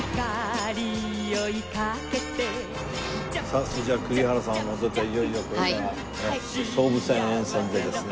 さあそれじゃあ栗原さんを乗せていよいよこれから総武線沿線でですね